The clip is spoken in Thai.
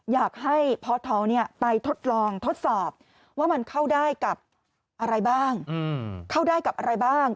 อยากให้พทไปทดลองทดสอบว่ามันเข้าได้กับอะไรบ้าง